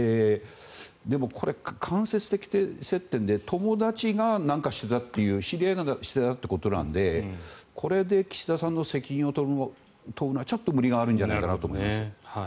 でもこれ、間接的接点で友達がなんかしていたっていう知り合いだっていうことなのでこれで岸田さんの責任を問うのはちょっと無理があるんじゃないかなと思います。